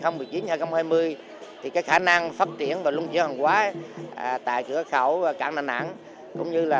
năm hai nghìn hai mươi thì cái khả năng phát triển và lung chiến hàng quá tại cửa khẩu cảng đà nẵng cũng như là